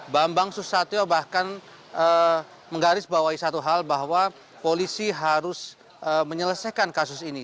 bambang susatyo bahkan menggarisbawahi satu hal bahwa polisi harus menyelesaikan kasus ini